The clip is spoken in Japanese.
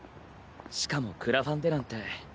しかもクラファンでなんて。